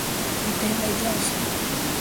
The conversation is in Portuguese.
intermediação